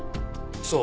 そう。